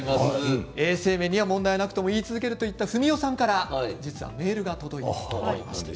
衛生面には問題なくとも言い続けると言った史佳さんからメールが届いています。